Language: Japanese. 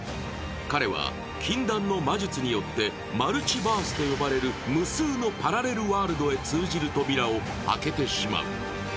彼は禁断の魔術によってマルチバースと呼ばれる無数のパラレルワールドへ通じる扉を開けてしまう。